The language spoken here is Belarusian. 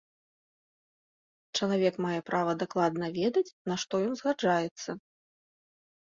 Чалавек мае права дакладна ведаць, на што ён згаджаецца.